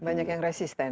banyak yang resisten